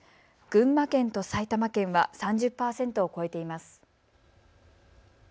群馬県と埼玉県は３０％を超えています。